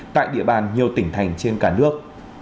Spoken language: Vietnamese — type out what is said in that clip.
tại địa bàn nhiều tỉnh thành trên cả nước